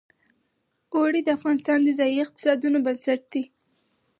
اوړي د افغانستان د ځایي اقتصادونو بنسټ دی.